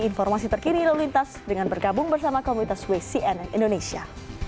informasi terkini lalu lintas dengan bergabung bersama komunitas wcn indonesia